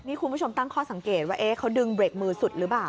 นี่คุณผู้ชมตั้งข้อสังเกตว่าเขาดึงเบรกมือสุดหรือเปล่า